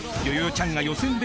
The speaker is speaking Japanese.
ちゃんが予選で］